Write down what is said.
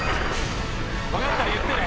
分かったら言ってね。